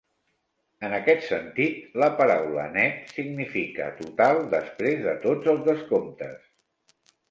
En aquest sentit, la paraula net significa "total després de tots els descomptes".